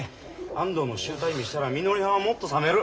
安藤の醜態見せたらみのりはんはもっと冷める。